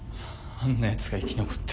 あんなヤツが生き残って。